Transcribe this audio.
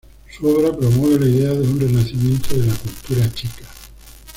Su obra promueve la idea de un renacimiento de la cultura checa.